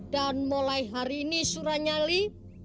dan mulai hari ini suranyali